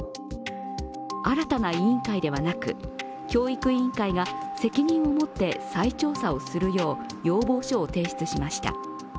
新たな委員会ではなく教育委員会が責任を持って再調査をするよう要望書を提出しました。